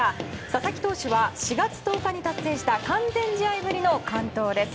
佐々木投手は４月１０日に達成した完全試合ぶりの完投です。